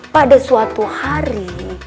pada suatu hari